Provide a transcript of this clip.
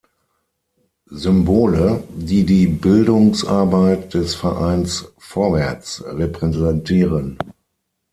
Symbole, die die Bildungsarbeit des Vereins „Vorwärts“ repräsentieren.